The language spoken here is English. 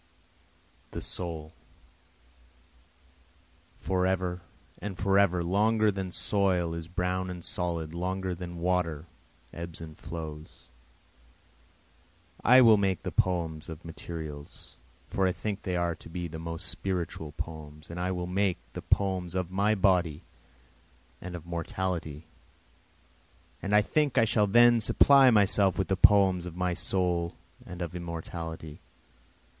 6 The soul, Forever and forever longer than soil is brown and solid longer than water ebbs and flows. I will make the poems of materials, for I think they are to be the most spiritual poems, And I will make the poems of my body and of mortality, For I think I shall then supply myself with the poems of my soul and of immortality.